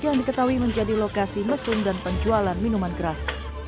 yang diketahui menjadi lokasi mesum dan penjualan minuman keras